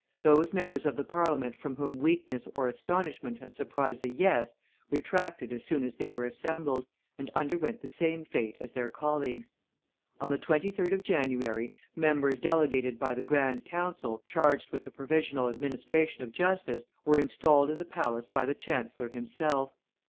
Those members of the Parliament from whom weakness or astonishment had surprised a yes retracted as soon as they were assembled, and underwent the same fate as their colleagues. On the 23d of January, members delegated by the grand council, charged with the provisional administration of justice, were installed in the Palace by the chancellor himself.